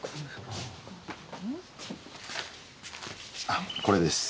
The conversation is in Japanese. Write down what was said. あっこれです。